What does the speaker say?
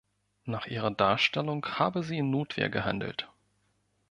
Nach ihrer Darstellung habe sie in Notwehr gehandelt.